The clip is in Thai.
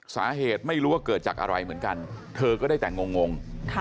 ไม่รู้ว่าเกิดจากอะไรเหมือนกันเธอก็ได้แต่งง